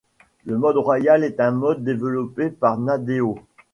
Le mode Royal est un mode développé par Nadeo.